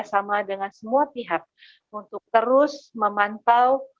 terus bekerjasama dengan semua pihak untuk terus memantau